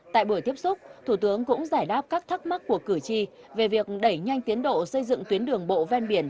tại buổi tiếp xúc thủ tướng cũng giải đáp các thắc mắc của cử tri về việc đẩy nhanh tiến độ xây dựng tuyến đường bộ ven biển